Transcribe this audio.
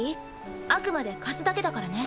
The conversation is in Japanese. あくまで貸すだけだからね。